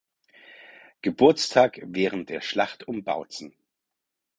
Geburtstag während der Schlacht um Bautzen.